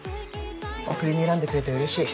送りに選んでくれてうれしい。